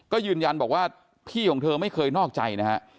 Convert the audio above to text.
ก็ยืนยันบอกว่าพี่ของเธอไม่เคยนอกใจนะฮะ